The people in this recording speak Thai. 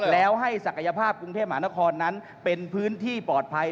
แล้วให้ศักยภาพกรุงเทพมหานครนั้นเป็นพื้นที่ปลอดภัย